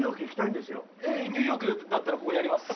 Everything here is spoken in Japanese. ニューヨークだったらここにあります。